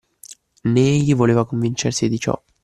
Ne egli voleva convincersi di ciò.